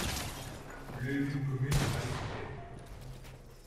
Plus d’une commune est mal équipée.